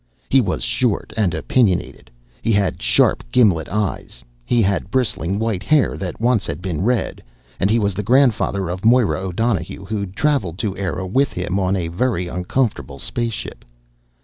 He was short and opinionated, he had sharp, gimlet eyes, he had bristling white hair that once had been red, and he was the grandfather of Moira O'Donohue, who'd traveled to Eire with him on a very uncomfortable spaceship.